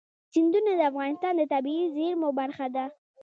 سیندونه د افغانستان د طبیعي زیرمو برخه ده.